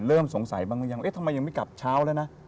เริ่มสงสัยบ้างมั้ยยังทำไมยังไม่กลับเช้าแล้วนะ